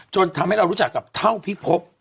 จนทำให้เรารู้จักกับเท่าพิภพ